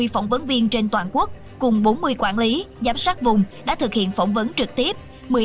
hai mươi phỏng vấn viên trên toàn quốc cùng bốn mươi quản lý giám sát vùng đã thực hiện phỏng vấn trực tiếp